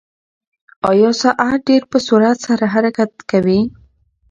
ایا ساعت ډېر په سرعت سره حرکت کوي؟